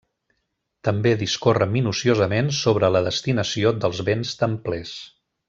També discorre minuciosament sobre la destinació dels béns templers.